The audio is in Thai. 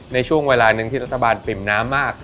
ในช่วงเวลาหนึ่งที่รัฐบาลปริ่มน้ำมาก